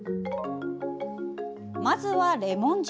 まずはレモン汁。